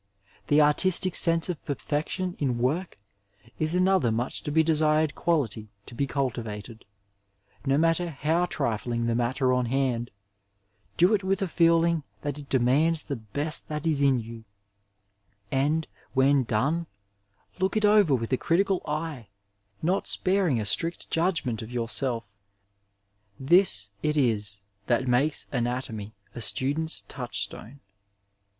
The artistic sense of perfection in work is another much to be desired quality to be cultivated. No matter how trifling the matter on hand, do it with a feeling 378 Digitized by Google THE MASTERWORD IN MEDICINB that it demands the best that is in you, and when done look it over with a critical eye, not sparing a strict judgment of yourself. This it is that makes anatomy a student's touch stone.